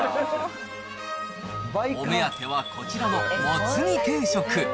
お目当てはこちらのもつ煮定食。